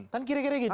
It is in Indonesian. kan kira kira gitu